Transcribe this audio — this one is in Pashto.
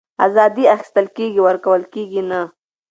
آزادي اخيستل کېږي ورکول کېږي نه